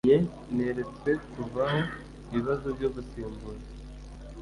nke neretswe kuva aho ibibazo byo gusimbuza